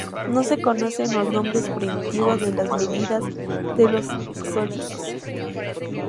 No se conocen los nombres primitivos de las medidas de los sólidos.